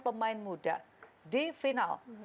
pemain muda di final